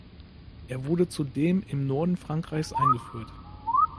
Er wurde zudem im Norden Frankreichs eingeführt.